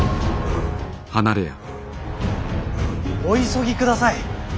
お急ぎください。